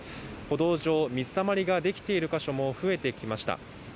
歩道上水たまりができている箇所も増えてきました